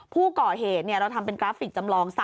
ผู้ก่อเหตุเราทำเป็นกราฟิกจำลอง๓